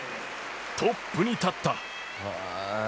トップに立った。